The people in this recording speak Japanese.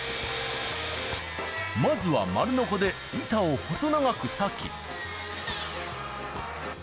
まずは、丸のこで板を細長く割き。